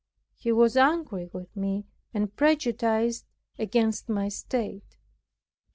He was angry with me, and prejudiced against my state.